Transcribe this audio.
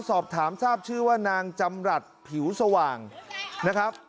สอบถามทราบชื่อว่านางจำรัฐผิวสว่างนะครับ